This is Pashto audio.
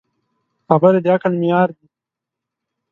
خبرې د عقل معیار دي.